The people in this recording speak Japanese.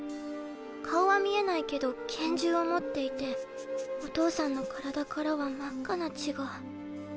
顔は見えないけど拳銃を持っていてお父さんの体からは真っ赤な血が。